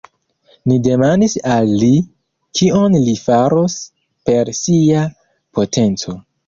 Ni demandis al li, kion li faros per sia potenco.